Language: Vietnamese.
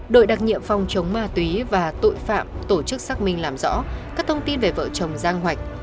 đội đặc nhiệm phòng chống ma túy và tội phạm tổ chức xác minh làm rõ các thông tin về vợ chồng giang hoạch